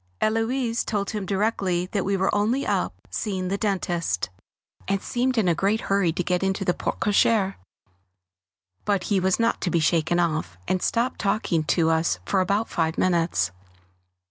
Héloise told him directly that we were only up seeing the dentist, and seemed in a great hurry to get into the porte cocher; but he was not to be shaken off, and stopped talking to us for about five minutes.